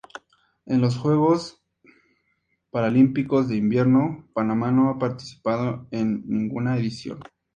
En los Juegos Paralímpicos de Invierno Panamá no ha participado en ninguna edición.